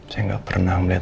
saya gak pernah melihat